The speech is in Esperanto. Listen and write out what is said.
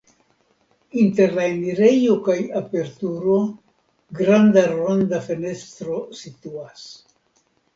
Inter la enirejo kaj aperturo granda ronda fenestro situas.